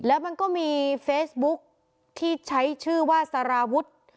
แล้วมันก็มีเฟซบุ๊กที่ใช้ชื่อว่าสารวุฒิ